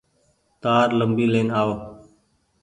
تآر ليمبي لين آئو۔